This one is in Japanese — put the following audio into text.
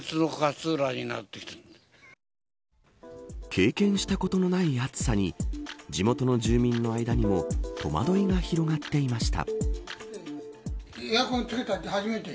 経験したことのない暑さに地元の住民の間にも戸惑いが広がっていました。